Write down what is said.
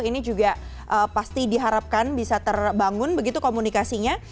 ini juga pasti diharapkan bisa terbangun begitu komunikasinya